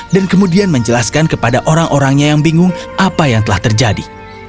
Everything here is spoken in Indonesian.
dan kemudian menjelaskan kepada orang orangnya yang bingung apa yang telah terjadi